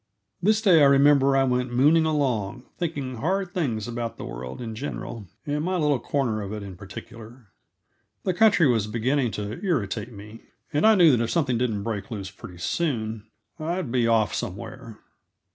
This day, I remember, I went mooning along, thinking hard things about the world in general, and my little corner of it in particular. The country was beginning to irritate me, and I knew that if something didn't break loose pretty soon I'd be off somewhere.